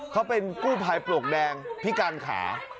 เขาเป็นกู้ภัยปลวกแดงพิการขา